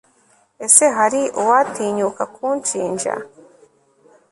ese hari uwatinyuka kunshinja